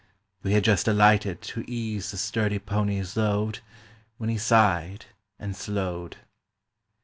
We had just alighted To ease the sturdy pony's load When he sighed and slowed.